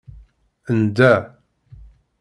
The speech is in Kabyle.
Ndda.